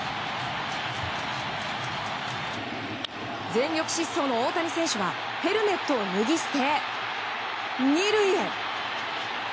全力疾走の大谷選手はヘルメットを脱ぎ捨て、２塁へ。